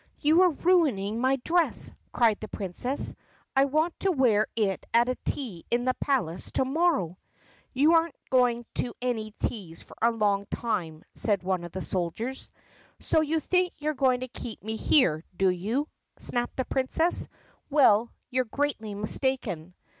"You are ruining my dress!" cried the Princess. "I want to wear it at a tea in the Palace to morrow." "You are n't going to any teas for a long time," said one of the soldiers. "So you think you're going to keep me here, do you?" snapped the Princess. "Well, you 're greatly mistaken."